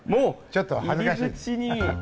ちょっと恥ずかしい。